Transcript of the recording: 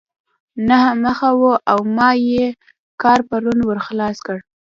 نهه مخه وه او ما ئې کار پرون ور خلاص کړ.